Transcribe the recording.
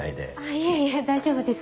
いえいえ大丈夫です